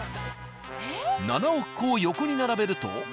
７億個を横に並べると。